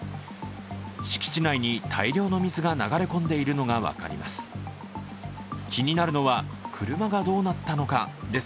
敷地内に大量の水が流れ込んでいるのが分かります。